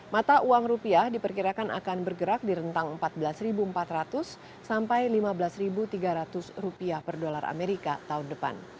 mata uang rupiah diperkirakan akan bergerak di rentang empat belas empat ratus sampai lima belas tiga ratus rupiah per dolar amerika tahun depan